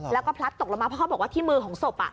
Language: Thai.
แล้วก็พลัดตกลงมาเพราะเขาบอกว่าที่มือของศพ